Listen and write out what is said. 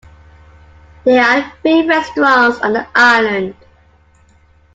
There are three restaurants on the island.